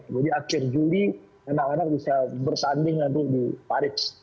jadi akhir juli anak anak bisa bersanding nanti di paris